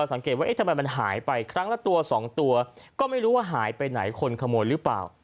สังเกตว่าเอ๊ะทำไมมันหายไปครั้งละตัวสองตัวก็ไม่รู้ว่าหายไปไหนคนขโมยหรือเปล่า